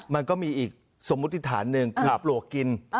มันก็มีอีกสมมุติฐานหนึ่งคือปลวกกิน